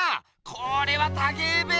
これはたけえべ！